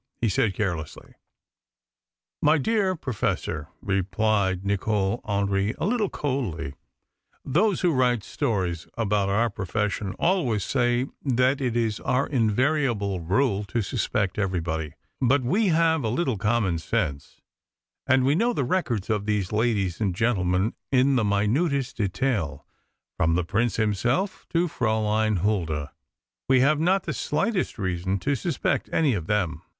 he said carelessly. "My dear Professor," replied Nicol Hendry a little coldly, "those who write stories about our profession always say that it is our invariable rule to suspect everybody, but we have a little common sense, and we know the records of these ladies and gentlemen in the minutest detail from the Prince himself to Fraülein Hulda. We have not the slightest reason to suspect any of them."